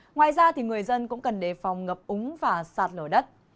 ngoài ra người dân cũng cần đề phòng ngập úng và sạt lở đất